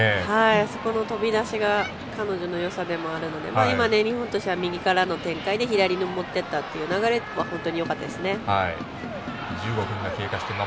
あそこの飛び出しが彼女のよさでもあるので今、日本としては右からの展開で左にもっていったという流れは本当によかったですね。